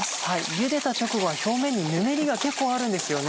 ゆでた直後は表面にぬめりが結構あるんですよね。